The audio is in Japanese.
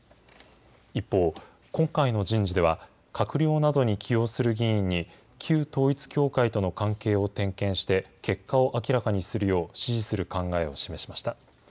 一方、今回の人事では、閣僚などに起用する議員に旧統一教会との関係を点検して、結果を明らかにするよう指示する考えを示しました。